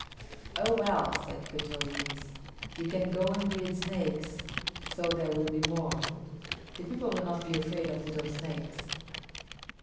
"Oh, well," said Kut o yis´, "you can go and breed snakes so there will be more. The people will not be afraid of little snakes."